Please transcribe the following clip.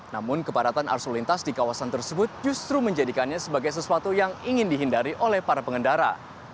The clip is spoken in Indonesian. namun kepadatan arus lalu lintas di kawasan tersebut justru menjadikannya sebagai sesuatu yang ingin dihindari oleh para pengendara